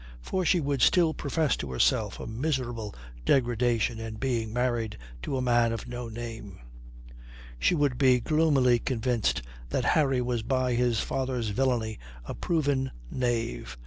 For she could still profess to herself a miserable degradation in being married to a man of no name: she would be gloomily convinced that Harry was by his father's villainy a proven knave.